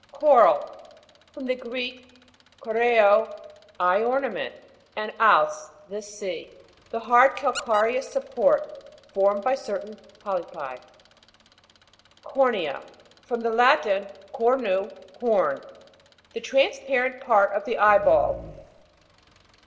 CO'RAL. From the Greek, koreo, I ornament, and als, the sea. The hard calca'reous support, formed by certain polypi. COR'NEA. From the Latin, cornu, horn. The transparent part of the eye ball.